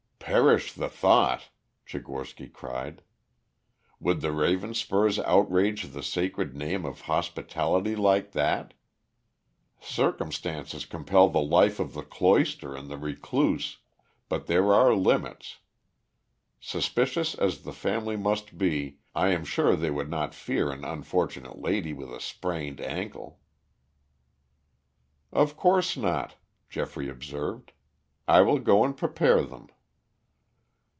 "Perish the thought," Tchigorsky cried. "Would the Ravenspurs outrage the sacred name of hospitality like that? Circumstances compel the life of the cloister and the recluse, but there are limits. Suspicious as the family must be, I am sure they would not fear an unfortunate lady with a sprained ankle." "Of course not," Geoffrey observed. "I will go and prepare them."